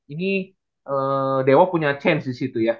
ini dewa punya change disitu ya